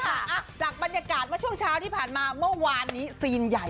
อ่ะจากบรรยากาศเมื่อช่วงเช้าที่ผ่านมาเมื่อวานนี้ซีนใหญ่